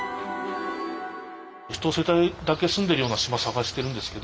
ひと世帯だけ住んでるような島探してるんですけど。